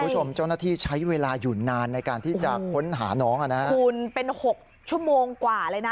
เจ้าหน้าที่ใช้เวลาอยู่นานในการที่จะค้นหาน้องอ่ะนะคุณเป็นหกชั่วโมงกว่าเลยนะ